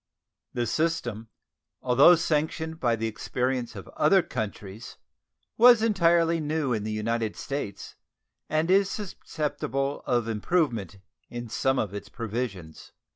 The system, although sanctioned by the experience of other countries, was entirely new in the United States, and is susceptible of improvement in some of its provisions.